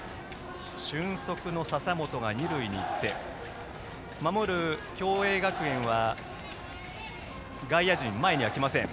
俊足の笹本が二塁に行って守る共栄学園は外野陣、前にはきません。